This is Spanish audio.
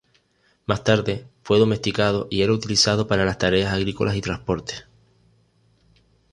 Más tarde fue domesticado y era utilizado para las tareas agrícolas y transporte.